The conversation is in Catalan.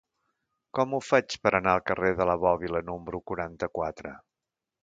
Com ho faig per anar al carrer de la Bòbila número quaranta-quatre?